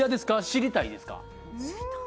知りたいですか？